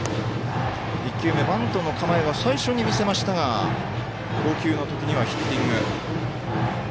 １球目はバントの構え最初に見せましたが投球の時にはヒッティング。